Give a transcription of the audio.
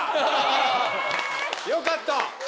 よかった！